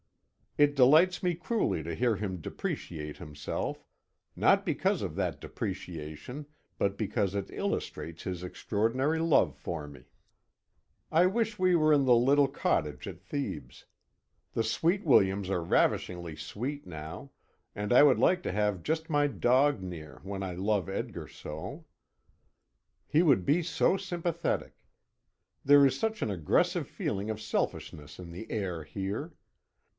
It delights me cruelly to hear him depreciate himself not because of that depreciation, but because it illustrates his extraordinary love for me. I wish we were in the little cottage at Thebes. The sweet williams are ravishingly sweet now; and I would like to have just my dog near when I love Edgar so. He would be so sympathetic! There is such an aggressive feeling of selfishness in the air here.